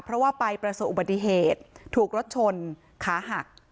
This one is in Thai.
เพราะว่าไปประสบอุบัติเหตุถูกรถชนขาหัก